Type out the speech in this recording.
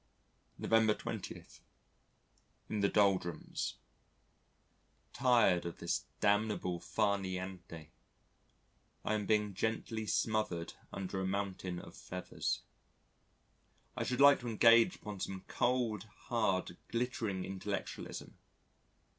November 20. In the doldrums. Tired of this damnable far niente, I am being gently smothered under a mountain of feathers. I should like to engage upon some cold, hard, glittering intellectualism.